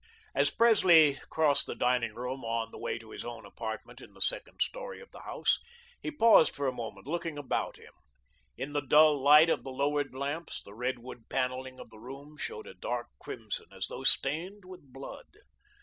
As Presley crossed the dining room on the way to his own apartment in the second story of the house, he paused for a moment, looking about him. In the dull light of the lowered lamps, the redwood panelling of the room showed a dark crimson as though stained with blood.